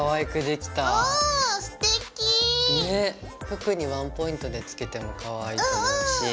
服にワンポイントで付けてもかわいいと思うし。